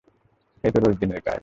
এটা তো রোজদিনের কাজ।